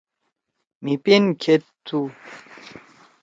مھی پِن کھید تُھو؟